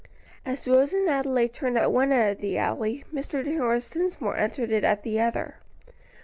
As Rose and Adelaide turned at one end of the alley, Mr. Horace Dinsmore entered it at the other.